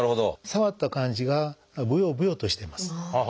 触った感じがブヨブヨとしてます。